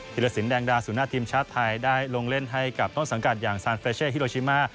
รสินแดงดาสุหน้าทีมชาติไทยได้ลงเล่นให้กับต้นสังกัดอย่างซานเฟรเช่ฮิโลชิมา